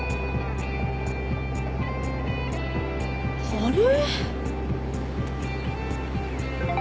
あれ？